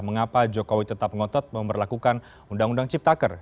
mengapa jokowi tetap ngotot memperlakukan undang undang ciptaker